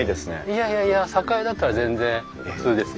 いやいやいや酒蔵だったら全然普通ですよ。